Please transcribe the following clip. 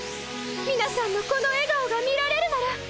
みなさんのこのえがおが見られるなら！